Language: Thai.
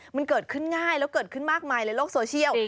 มันเกิดขึ้นง่ายแล้วเกิดขึ้นมากมายในโลกโซเชียล